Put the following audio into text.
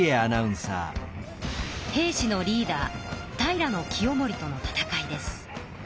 平氏のリーダー平清盛との戦いです。